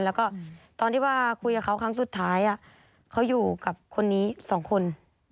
แล้วก็ตอนที่ว่าคุยกับเขาครั้งสุดท้ายเขาอยู่กับคนนี้สองคน